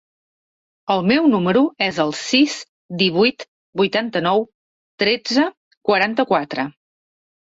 El meu número es el sis, divuit, vuitanta-nou, tretze, quaranta-quatre.